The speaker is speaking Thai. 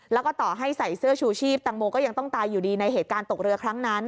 แล้วก็ต่อให้ใส่เสื้อชูชีพตังโมก็ยังต้องตายอยู่ดีในเหตุการณ์ตกเรือครั้งนั้น